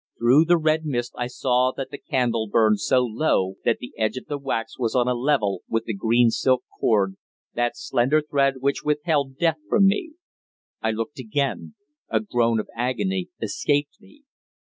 Through the red mist I saw that the candle burned so low that the edge of the wax was on a level with the green silk cord, that slender thread which withheld Death from me. I looked again. A groan of agony escaped me.